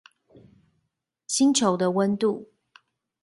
星球的溫度